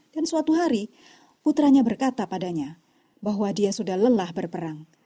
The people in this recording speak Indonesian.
dan suatu hari putranya berkata padanya bahwa dia sudah lelah berperang